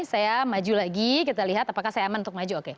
saya maju lagi kita lihat apakah saya aman untuk maju oke